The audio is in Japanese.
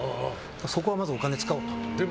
そこはまず、お金を使おうと。